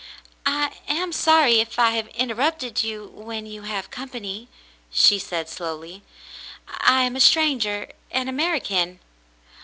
"I am sorry if I have interrupted you when you have company," she said slowly. "I am a stranger — an American."